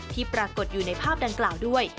ปรากฏอยู่ในภาพดังกล่าวด้วย